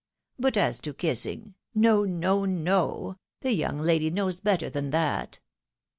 But as to kissing — ^no, no, no !— the yormg lady knows better than that."